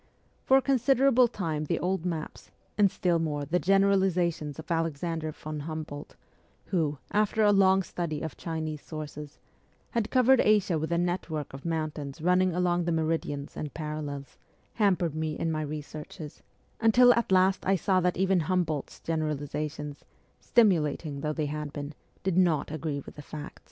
For a considerable time the old maps, and still more the generalizations of Alexander von Humboldt, who, after a long study of Chinese sources, had covered Asia with a network of mountains running along the meridians and parallels, hampered me in my researches, until at last I saw that even Humboldt's generalizations, stimulating though they had been, did not agree with the facts.